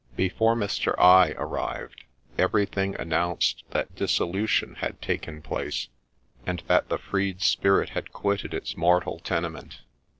Before Mr. I arrived everything announced that dissolution had taken place, and that the freed spirit had quitted its mortal tenement.